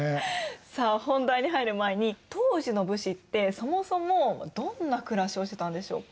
さあ本題に入る前に当時の武士ってそもそもどんな暮らしをしてたんでしょうか？